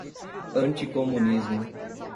anticomunismo